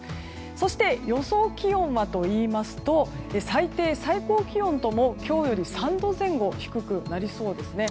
そして、予想気温はといいますと最低・最高気温とも今日より３度前後低くなりそうです。